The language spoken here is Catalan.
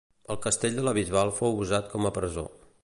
El castell de la Bisbal fou usat com a presó.